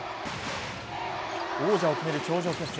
王者を決める頂上決戦。